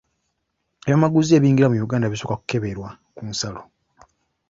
Ebyamaguzi ebiyingira mu Uganda bisooka kukeberebwa ku nsalo.